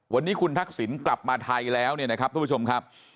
วันนี้คุณทักษิณกลับมาไทยแล้วเนี่ยนะครับทุกผู้ชมครับ